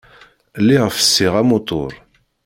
Lliɣ fessiɣ amutur.